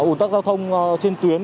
ủn tắc giao thông trên tuyến